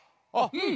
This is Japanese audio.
うん。